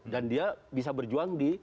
dan dia bisa berjuang di